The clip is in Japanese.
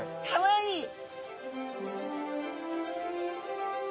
かわいい！